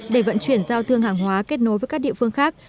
để vận chuyển giao thương hàng hóa kết nối với các địa phương khác